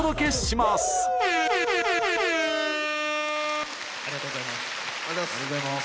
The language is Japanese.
ありがとうございます。